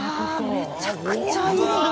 ◆めちゃくちゃいいな。